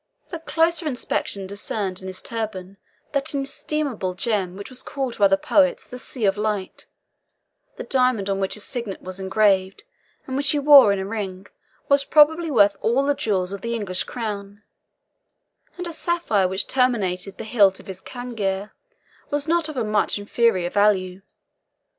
But closer inspection discerned in his turban that inestimable gem which was called by the poets the Sea of Light; the diamond on which his signet was engraved, and which he wore in a ring, was probably worth all the jewels of the English crown; and a sapphire which terminated the hilt of his cangiar was not of much inferior value.